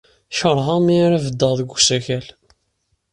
Keṛheɣ mi ara beddeɣ deg usakal.